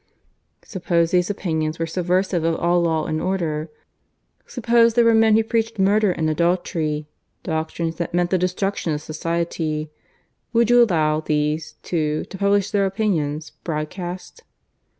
"Suppose these opinions were subversive of all law and order. Suppose there were men who preached murder and adultery doctrines that meant the destruction of society. Would you allow these, too, to publish their opinions broadcast?"